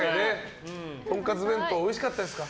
とんかつ弁当おいしかったですか？